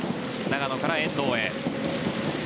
長野から遠藤へ。